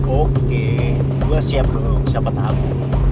oke gue siap belum siapa tahu